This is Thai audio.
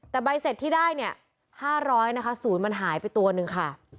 แต่ใบเสร็จที่ได้เนี่ย๕๐๐นะคะศูนย์มันหายไปตัวหนึ่งค่ะ